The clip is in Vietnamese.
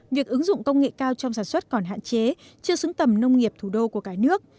việc ứng dụng công nghệ cao trong sản xuất còn hạn chế chưa xứng tầm nông nghiệp thủ đô của cả nước